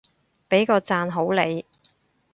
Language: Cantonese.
畀個讚好你